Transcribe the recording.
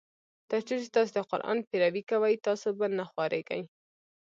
تر څو چي تاسي د قرآن پیروي کوی تاسي به نه خوارېږی.